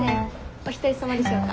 お一人様でしょうか？